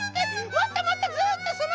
もっともっとずっとそのまま！